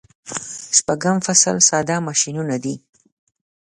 شپږم فصل ساده ماشینونه دي.